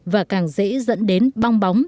và càng dễ dẫn đến bong bóng